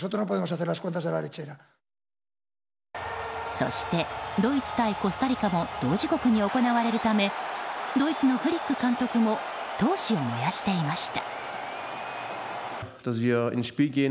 そして、ドイツ対コスタリカも同時刻に行われるためドイツのフリック監督も闘志を燃やしていました。